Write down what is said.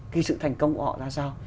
cái sự thành công của họ ra sao